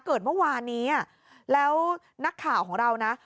เกิดเมื่อวานนี้แล้วนักข่าวของเรานะ